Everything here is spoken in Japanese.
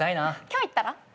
今日行ったら？